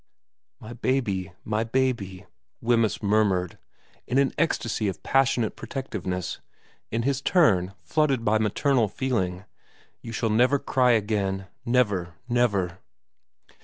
' My baby my baby,' Wemyss murmured, in an ecstasy of passionate protectiveness, in his turn flooded by maternal feeling. ' You shall never cry again never, never.'